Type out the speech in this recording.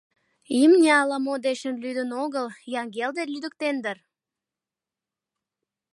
Имне ала-мо дечын лӱдын огыл, Янгелде лӱдыктен дыр?